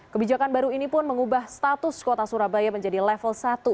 kebijakan baru ini pun mengubah status kota surabaya menjadi level satu